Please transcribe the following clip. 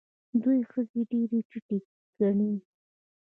دوی ښځې ډېرې ټیټې ګڼي.